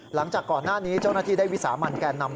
หลังจากก่อนหน้านี้เจ้าหน้าที่ได้วิสามันแก่นำ